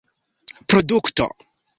produkto